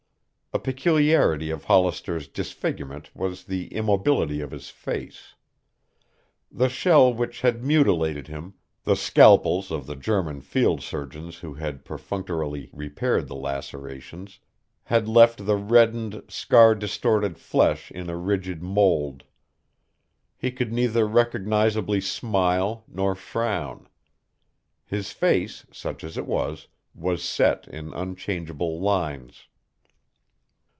A peculiarity of Hollister's disfigurement was the immobility of his face. The shell which had mutilated him, the scalpels of the German field surgeons who had perfunctorily repaired the lacerations, had left the reddened, scar distorted flesh in a rigid mold. He could neither recognizably smile nor frown. His face, such as it was, was set in unchangeable lines.